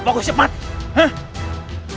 apa kau siap mati